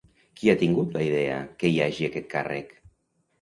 Qui ha tingut la idea que hi hagi aquest càrrec?